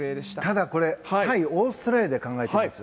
ただ、対オーストラリアで考えていきます。